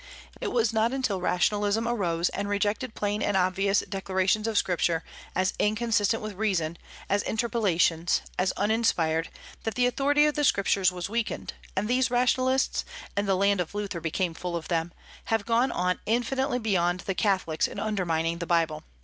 It was not until rationalism arose, and rejected plain and obvious declarations of Scripture, as inconsistent with reason, as interpolations, as uninspired, that the authority of the Scriptures was weakened; and these rationalists and the land of Luther became full of them have gone infinitely beyond the Catholics in undermining the Bible.